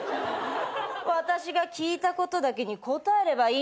私が聞いたことだけに答えればいいんだよ。